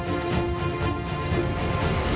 jangan lupa untuk berlangganan